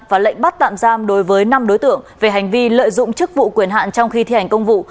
và lệnh bắt tạm giam đối với năm đối tượng về hành vi lợi dụng chức vụ quyền hạn trong khi thi hành công vụ